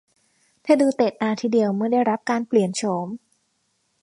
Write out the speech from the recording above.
เธอดูเตะตาทีเดียวเมื่อได้รับการเปลี่ยนโฉม